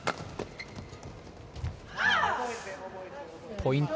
ポイント